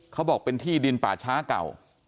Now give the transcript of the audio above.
เขาบอกเป็นที่ดินป่าช้าเก่า